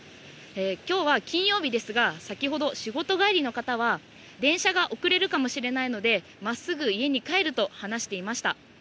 きょうは金曜日ですが、先ほど、仕事帰りの方は、電車が遅れるかもしれないので、まっすぐ家に帰ると話していました。